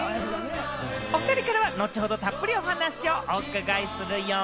おふたりからは後ほどたっぷりとお話をお伺いするよ。